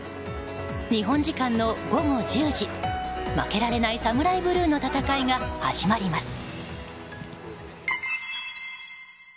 日本時間の午後１０時負けられないサムライブルーの戦いが始まります。